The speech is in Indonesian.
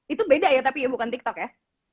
itu beda ya tapi ya bukan tiktok ya